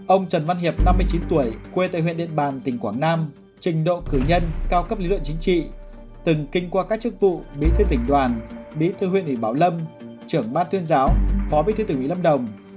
ông trần văn hiệp năm mươi chín tuổi quê tại huyện điện bàn tỉnh quảng nam trình độ cử nhân cao cấp lý luận chính trị từng kinh qua các chức vụ bí thư tỉnh đoàn bí thư huyện ủy bảo lâm trưởng ban tuyên giáo phó bí thư tỉnh ủy lâm đồng